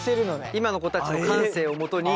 今の子たちの感性をもとに。